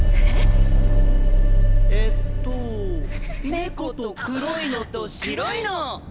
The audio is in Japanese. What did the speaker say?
猫と黒いのと白いの！